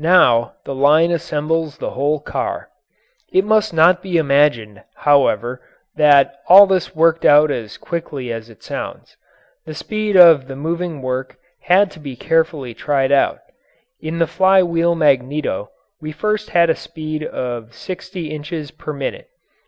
Now the line assembles the whole car. It must not be imagined, however, that all this worked out as quickly as it sounds. The speed of the moving work had to be carefully tried out; in the fly wheel magneto we first had a speed of sixty inches per minute.